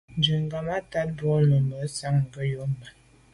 Ndù kà ghammatat boa memo’ nsan se’ ngom yube.